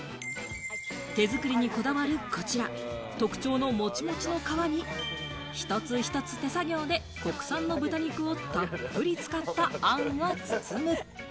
手づくりにこだわるこちら、特徴のモチモチの皮に一つ一つ手作業で国産の豚肉をたっぷり使った、あんを包む。